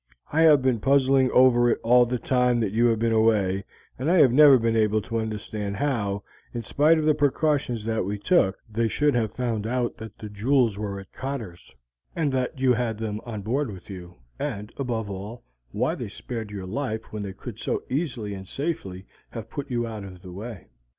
I have been puzzling over it all the time that you have been away, and I have never been able to understand how, in spite of the precautions that we took, they should have found out that the jewels were at Cotter's, and that you had them on board with you, and, above all, why they spared your life when they could so easily and safely have put you out of the way.